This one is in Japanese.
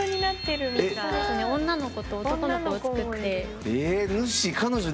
女の子と男の子を作って。